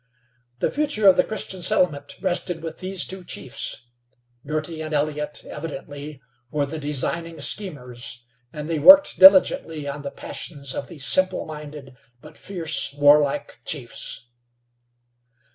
The future of the Christian settlement rested with these two chiefs. Girty and Elliott, evidently, were the designing schemers, and they worked diligently on the passions of these simple minded, but fierce, warlike chiefs.